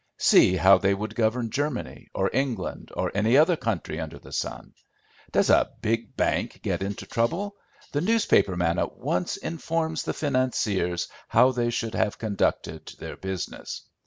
See how they would govern Germany, or England, or any other country under the sun. Does a big bank get into trouble, the newspaper man at once informs the financiers how they should have conducted their business.